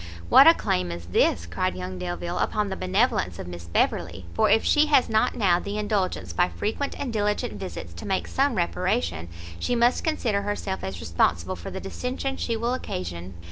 "What a claim is this," cried young Delvile, "upon the benevolence of Miss Beverley! for if she has not now the indulgence by frequent and diligent visits to make some reparation, she must consider herself as responsible for the dissension she will occasion."